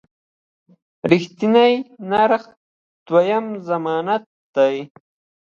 رښتیني نرخ د دوام ضمانت دی.